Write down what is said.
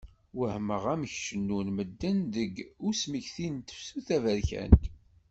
Wehmeɣ amek cennun medden deg usmekti n tefsut taberkant!